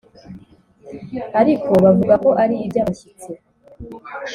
ariko bavuga ko ari iby’abashyitsi,